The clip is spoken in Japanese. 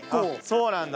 そうなんだ。